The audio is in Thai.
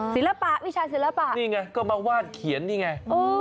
ศิลปะวิชาศิลปะนี่ไงก็มาวาดเขียนนี่ไง